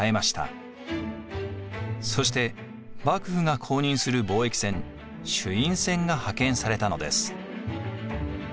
そして幕府が公認する貿易船朱印船が派遣されたのです。